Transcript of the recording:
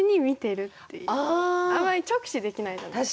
あんまり直視できないじゃないですか。